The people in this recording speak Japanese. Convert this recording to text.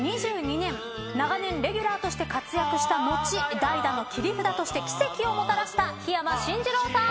長年レギュラーとして活躍した後代打の切り札として奇跡をもたらした桧山進次郎さん。